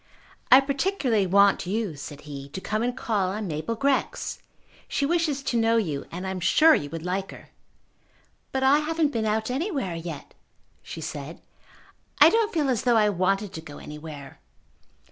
"I particularly want you," said he, "to come and call on Mabel Grex. She wishes to know you, and I am sure you would like her." "But I haven't been out anywhere yet," she said. "I don't feel as though I wanted to go anywhere."